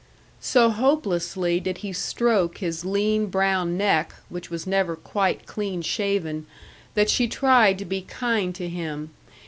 So hopelessly did he stroke his lean brown neck, which was never quite clean shaven, that she tried to be kind to him.